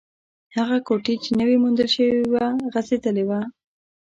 هغه کوټې چې نوې موندل شوې وه، غږېدلې وه.